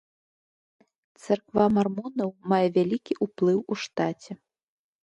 Царква мармонаў мае вялікі ўплыў у штаце.